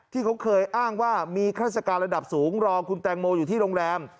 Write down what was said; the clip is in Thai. ที่เขาเคยอ้างว่ามีข้าราชการระดับสูงรอคุณแตงโมอยู่ที่โรงแรม